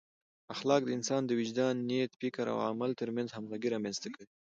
اخلاق د انسان د وجدان، نیت، فکر او عمل ترمنځ همغږي رامنځته کوي.